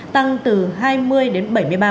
tăng từ hai mươi đến bảy mươi ba